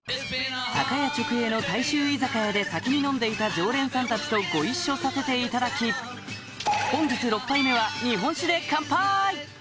酒屋直営の大衆居酒屋で先に飲んでいた常連さんたちとご一緒させていただき本日６杯目は日本酒でカンパイ！